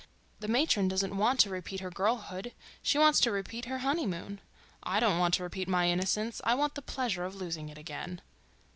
The matron doesn't want to repeat her girlhood—she wants to repeat her honeymoon. I don't want to repeat my innocence. I want the pleasure of losing it again.